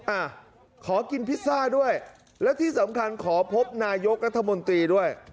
อ่ะขอกินพิซซ่าด้วยและที่สำคัญขอพบนายกรัฐมนตรีด้วย